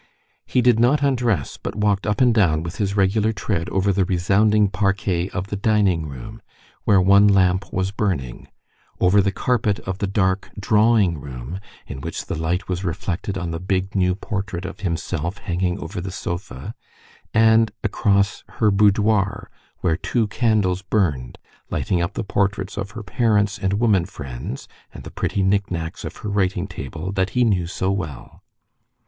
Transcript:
He did not undress, but walked up and down with his regular tread over the resounding parquet of the dining room, where one lamp was burning, over the carpet of the dark drawing room, in which the light was reflected on the big new portrait of himself hanging over the sofa, and across her boudoir, where two candles burned, lighting up the portraits of her parents and woman friends, and the pretty knick knacks of her writing table, that he knew so well.